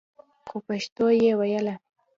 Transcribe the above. خو پښتو يې ويله.